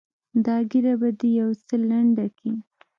دا ږيره به دې يو څه لنډه کې.